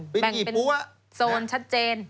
แบ่งเป็นโซนชัดเจน